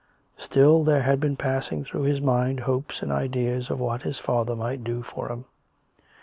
Still there had been pass ing through his mind hopes and ideas of what his father might do for him.